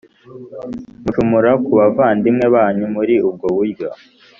Mucumura ku bavandimwe banyu muri ubwo buryo